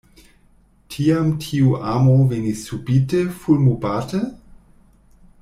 Tiam tiu amo venis subite, fulmobate?